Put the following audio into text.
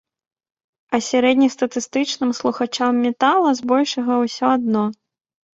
А сярэднестатыстычным слухачам метала збольшага ўсё адно.